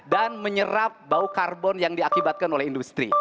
dan menyerap bau karbon yang diakibatkan oleh industri